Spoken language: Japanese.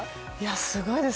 すごいです。